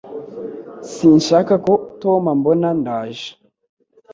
Sinshaka ko Tom ambona ndaje